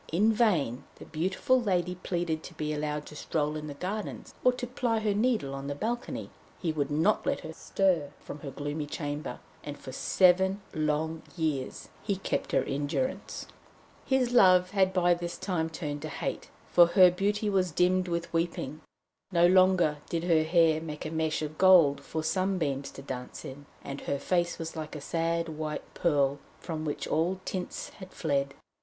In vain the beautiful lady pleaded to be allowed to stroll in the gardens, or to ply her needle on the balcony; he would not let her stir from her gloomy chamber, and for seven long years he kept her in durance. His love had by this time turned to hate, for her beauty was dimmed with weeping. No longer did her hair make a mesh of gold for sunbeams to dance in, and her face was like a sad white pearl from which all tints had fled.